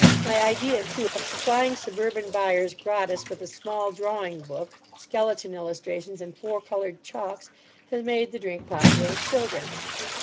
My idea, too, of supplying suburban buyers gratis with a small drawing book, skeleton illustrations, and four coloured chalks, has made the drink popular with children.